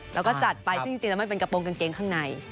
แล้วก็จัดไปซึ่งจริงแล้วมันเป็นกระโปรงกางเกงข้างใน